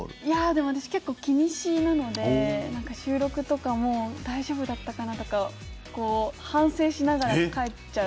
でも私結構、気にしいなので収録とかも大丈夫だったかなとか反省しながら帰っちゃう。